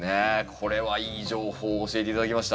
これはいい情報を教えて頂きました。